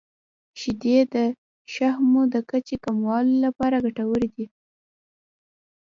• شیدې د شحمو د کچې کمولو لپاره ګټورې دي.